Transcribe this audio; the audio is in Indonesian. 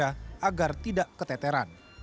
alokasi dana untuk berbelanja agar tidak keteteran